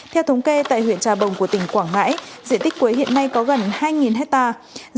theo thống kê tại huyện trà bồng của tỉnh quảng ngãi diện tích quế hiện nay có gần hai hectare